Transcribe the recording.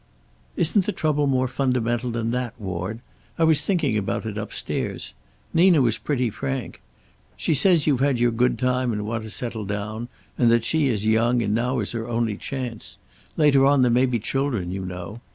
"Isn't the trouble more fundamental than that, Ward? I was thinking about it upstairs. Nina was pretty frank. She says you've had your good time and want to settle down, and that she is young and now is her only chance. Later on there may be children, you know.